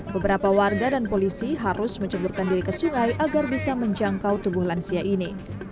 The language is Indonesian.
beberapa warga dan polisi harus menceburkan diri ke sungai agar bisa menjangkau tubuh lansia ini